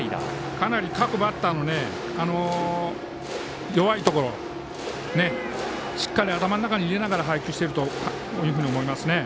かなり各バッターの弱いところをしっかり頭に入れながら配球していると思います。